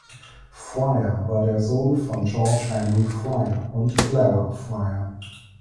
Fryer war der Sohn von George Henry Fryer und Clara Fryer.